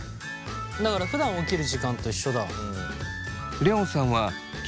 だからふだん起きる時間と一緒だ。